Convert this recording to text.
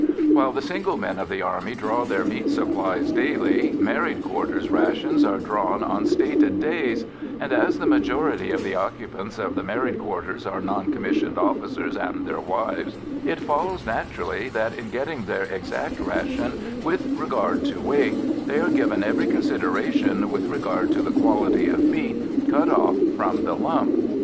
While the single men of the Army draw their meat supplies daily, married quarters' rations are drawn on stated days, and, as the majority of the occupants of the married quarters are non commissioned officers and their wives, it follows naturally that, in getting their exact ration with regard to weight, they are given every consideration with regard to the quality of meat cut off from the lump.